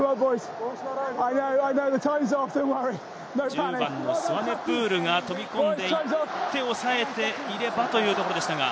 １０番のスワネプールが飛び込んでいって、押さえていればというところでしたが。